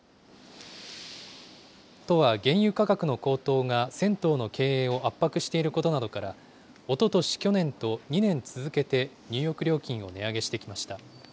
都は原油価格の高騰が銭湯の経営を圧迫していることなどから、おととし、去年と２年続けて入浴料金を値上げしてきました。